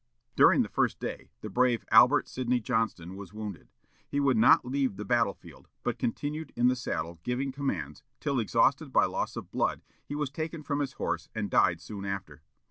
During the first day the brave Albert Sidney Johnston was wounded. He would not leave the battle field, but continued in the saddle, giving commands, till, exhausted by loss of blood, he was taken from his horse, and died soon after.